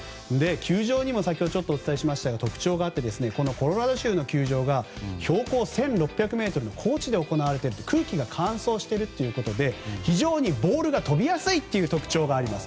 球場にも特徴があってコロラド州の球場が標高１６００ｍの高地で行われて空気が乾燥しているということで非常にボールが飛びやすいという特徴があります。